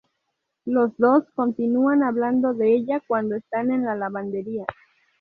Los dos continúan hablando de ella cuando están en la lavandería.